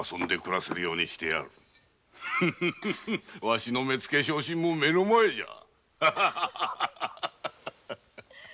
わしの目付昇進も目の前じゃ。